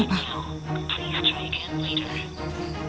gak aktif ma